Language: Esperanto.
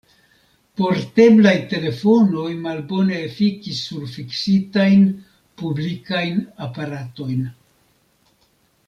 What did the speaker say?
Porteblaj telefonoj malbone efikis sur fiksitajn, publikajn aparatojn.